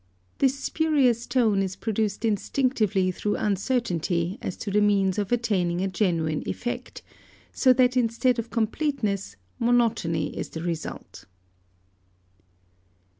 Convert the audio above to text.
This spurious tone is produced instinctively through uncertainty as to the means of attaining a genuine effect; so that instead of completeness, monotony is the result.